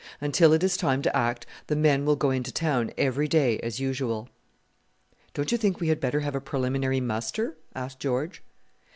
Until it is time to act the men will go into town every day as usual." "Don't you think we had better have a preliminary muster?" asked George.